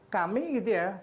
kami gitu ya